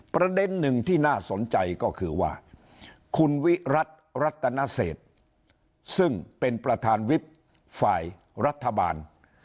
ประเด็นหนึ่งที่น่าสนใจก็คือว่าคุณวิรัติรัตนเศษซึ่งเป็นประธานวิบฝ่ายรัฐบาล